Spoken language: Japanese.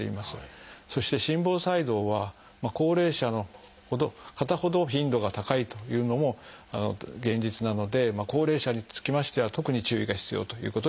そして心房細動は高齢者の方ほど頻度が高いというのも現実なので高齢者につきましては特に注意が必要ということになります。